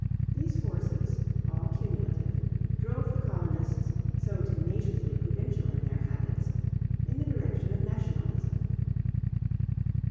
These forces, all cumulative, drove the colonists, so tenaciously provincial in their habits, in the direction of nationalism.